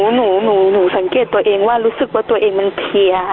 หนูสังเกตตัวเองว่ารู้สึกว่าตัวเองมันเพียค่ะ